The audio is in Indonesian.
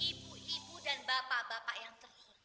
ibu ibu dan bapak bapak yang terhormat